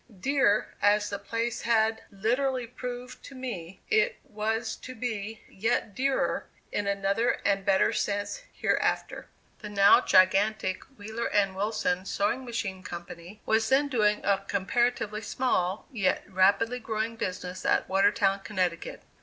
"Dear" as the place had literally proved to me, it was to be yet dearer, in another and better sense, hereafter. The now gigantic Wheeler & Wilson Sewing Machine Company was then doing a comparatively small, yet rapidly growing business at Watertown, Connecticut.